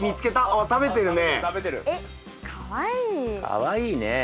かわいいねえ。